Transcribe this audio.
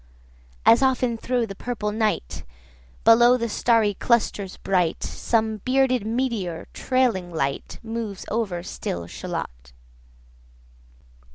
95 As often thro' the purple night, Below the starry clusters bright, Some bearded meteor, trailing light, Moves over still Shalott.